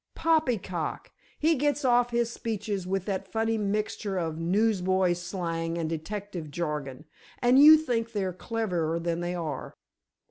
"Poppycock! He gets off his speeches with that funny mixture of newsboy slang and detective jargon, and you think they're cleverer than they are."